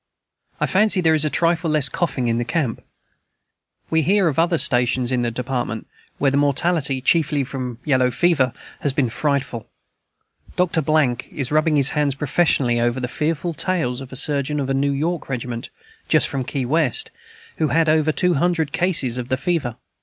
I fancy there is a trifle less coughing in the camp. We hear of other stations in the Department where the mortality, chiefly from yellow fever, has been frightful. Dr. is rubbing his hands professionally over the fearful tales of the surgeon of a New York regiment, just from Key West, who has had two hundred cases of the fever.